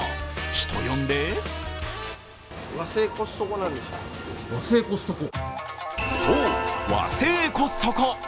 人呼んでそう、和製コストコ。